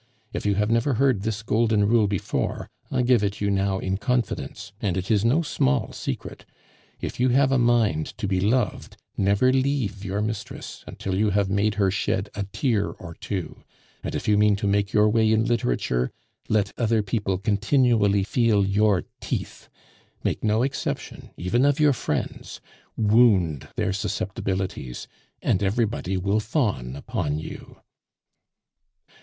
If you have never heard this golden rule before, I give it you now in confidence, and it is no small secret. If you have a mind to be loved, never leave your mistress until you have made her shed a tear or two; and if you mean to make your way in literature, let other people continually feel your teeth; make no exception even of your friends; wound their susceptibilities, and everybody will fawn upon you."